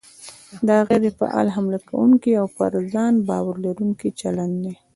دا غیر فعال، حمله کوونکی او پر ځان باور لرونکی چلند دی.